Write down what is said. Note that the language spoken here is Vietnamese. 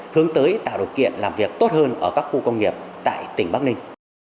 hướng tới tạo điều kiện làm việc tốt hơn ở các khu công nghiệp tại tỉnh bắc ninh